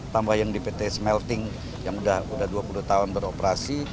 tambah yang di pt smelting yang sudah dua puluh tahun beroperasi